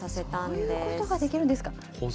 そういうことができるんですか。